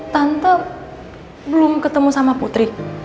tanto belum ketemu sama putri